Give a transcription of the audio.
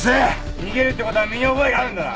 逃げるって事は身に覚えがあるんだな。